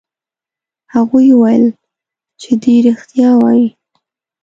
هغوی وویل چې دی رښتیا وایي.